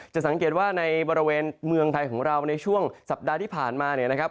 สังเกตว่าในบริเวณเมืองไทยของเราในช่วงสัปดาห์ที่ผ่านมาเนี่ยนะครับ